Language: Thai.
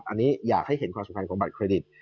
อันนี้อยากให้เห็นความสำคัญของบัตรเครดิต